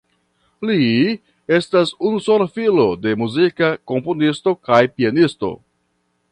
Li estas unusola filo de muzika komponisto kaj pianisto.